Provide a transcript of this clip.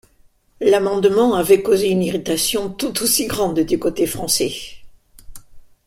L’amendement avait causé une irritation tout aussi grande du côté français.